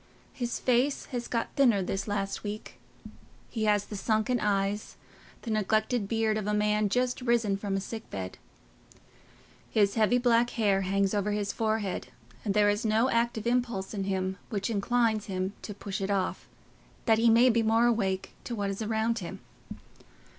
His face has got thinner this last week: he has the sunken eyes, the neglected beard of a man just risen from a sick bed. His heavy black hair hangs over his forehead, and there is no active impulse in him which inclines him to push it off, that he may be more awake to what is around him.